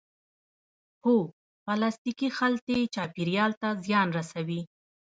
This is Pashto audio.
هو، پلاستیکی خلطی چاپیریال ته زیان رسوی